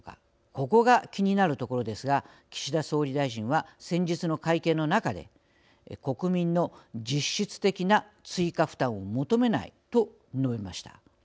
ここが気になるところですが岸田総理大臣は先日の会見の中で「国民の実質的な追加負担を求めない」と述べました。